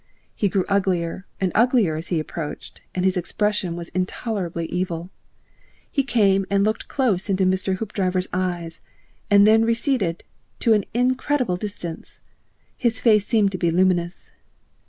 He grew uglier and uglier as he approached, and his expression was intolerably evil. He came and looked close into Mr. Hoopdriver's eyes and then receded to an incredible distance. His face seemed to be luminous.